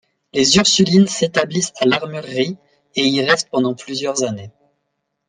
Les Ursulines s'établissent à l'Armurerie et y restent pendant plusieurs années.